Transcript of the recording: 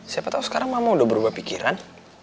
siapa tahu sekarang mama udah berubah pikiran